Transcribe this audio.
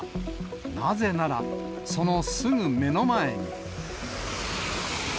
なぜなら、そのすぐ目の前に。